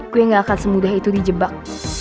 gue gak akan semudah itu dijebak